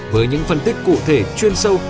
với những phân tích cụ thể chuyên sâu